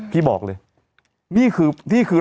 พี่บอกเลย